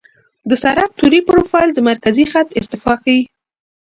د سړک طولي پروفیل د مرکزي خط ارتفاع ښيي